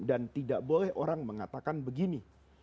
dan tidak boleh orang mengatakan begini